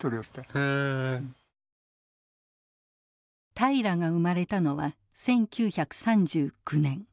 平良が生まれたのは１９３９年。